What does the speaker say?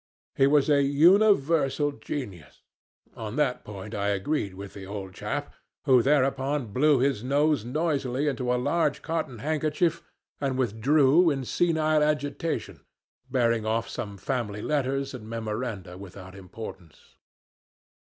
He was a universal genius on that point I agreed with the old chap, who thereupon blew his nose noisily into a large cotton handkerchief and withdrew in senile agitation, bearing off some family letters and memoranda without importance.